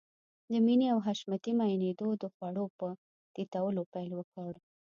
د مينې او حشمتي ميندو د خوړو په تيتولو پيل وکړ.